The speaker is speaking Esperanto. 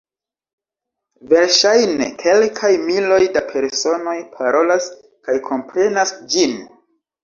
Verŝajne kelkaj miloj da personoj parolas kaj komprenas ĝin.